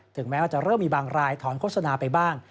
แม้ว่าจะเริ่มมีบางรายถอนโฆษณาไปบ้าง